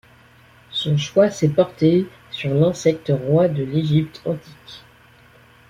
Son choix s’est porté sur l’insecte roi de l’Égypte antique.